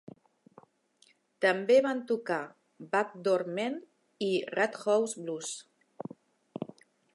També van tocar "Back Door Man" i "Roadhouse Blues".